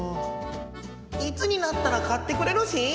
・いつになったら買ってくれるしん？